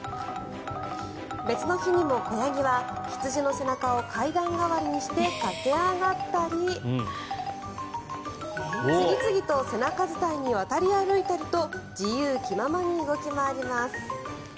別の日にも子ヤギは羊の背中を階段代わりにして駆け上がったり次々と背中伝いに渡り歩いたりと自由気ままに動き回ります。